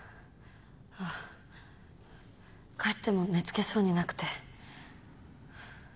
あ帰っても寝付けそうになくて。